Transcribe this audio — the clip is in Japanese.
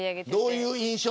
どういう印象。